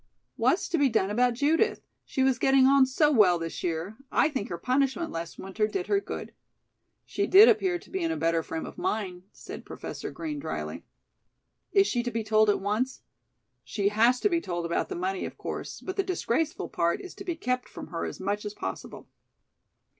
"What's to be done about Judith? She was getting on so well this year. I think her punishment last winter did her good." "She did appear to be in a better frame of mind," said Professor Green drily. "Is she to be told at once?" "She has to be told about the money, of course, but the disgraceful part is to be kept from her as much as possible."